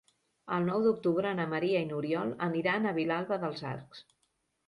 El nou d'octubre na Maria i n'Oriol aniran a Vilalba dels Arcs.